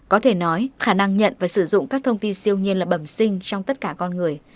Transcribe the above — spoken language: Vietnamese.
có thể nói khả năng nhận và sử dụng các thông tin siêu nhiên là bẩm sinh trong tất cả con người